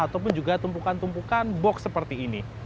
ataupun juga tumpukan tumpukan box seperti ini